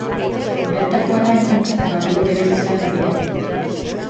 Bertako arrainek balio berezia dute.